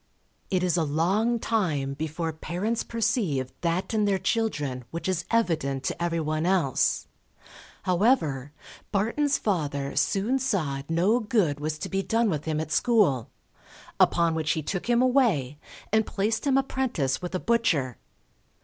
It is a long time before parents perceive that in their children which is evident to everyone else; however, Barton's father soon saw no good was to be done with him at school; upon which he took him away, and placed him apprentice with a butcher.